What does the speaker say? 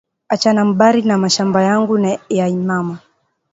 Achana mbari na mashamba yangu na ya mama